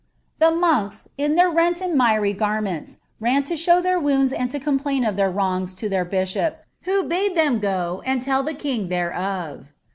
The monks, in their rent and BjamwRU, ran to show their wounds and to complain of their ^ to tiieir bishop, wbo bade them go, and tell the king thereof.